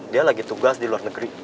dia lagi tugas di luar negeri